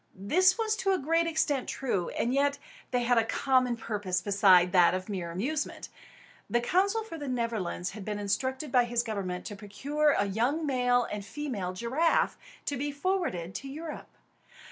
This was to a great extent true; and yet they had a common purpose beside that of mere amusement. The consul for the Netherlands had been instructed by his government to procure a young male and female giraffe, to be forwarded to Europe.